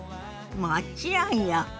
もちろんよ。